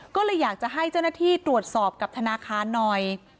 ก็เลยอยากจะให้เจ้าหน้าที่ตรวจสอบกับธนาคารหน่อย